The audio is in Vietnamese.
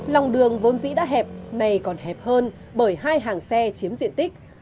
lòng đường vốn dĩ đã hẹp này còn hẹp hơn bởi hai hàng xe chiếm diện tích